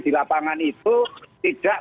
di lapangan itu tidak